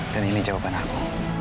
dan ini jawaban aku